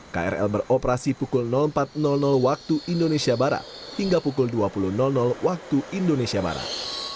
krl beroperasi pukul empat waktu indonesia barat hingga pukul dua puluh waktu indonesia barat